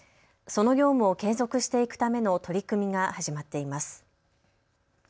その業務を継続していくための取り組みが始まっています。